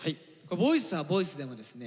ボイスはボイスでもですね